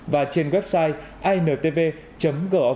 và trên website intv gov vn